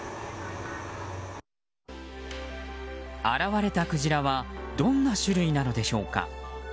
現れたクジラはどんな種類なのでしょうか。